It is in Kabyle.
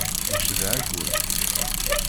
Ncedha-ken.